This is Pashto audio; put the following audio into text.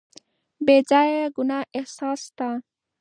بې ځایه د ګناه احساس شته.